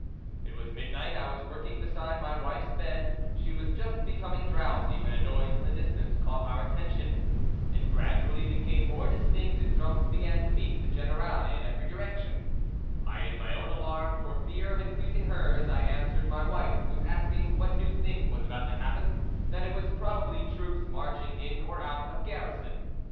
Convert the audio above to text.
It was midnight. I was working beside my wife's bed; she was just becoming drowsy, when a noise in the distance caught our attention. It gradually became more distinct, and drums began to beat the 'generale' in every direction. Hiding my own alarm for fear of increasing hers, I answered my wife, who was asking what new thing was about to happen, that it was probably troops marching in or out of garrison.